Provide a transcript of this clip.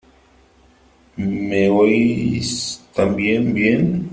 ¿ Me oís también ? Bien .